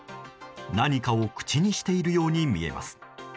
何かを口にしているように見えます。